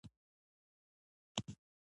خو کرنیزه ټکنالوژي په ابتدايي حالت کې وه